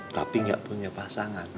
tapi enggak punya pasangan